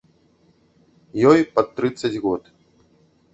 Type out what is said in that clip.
Ёй пад трыццаць год.